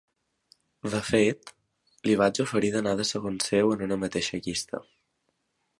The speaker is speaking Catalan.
De fet, li vaig oferir d’anar de segon seu en una mateixa llista.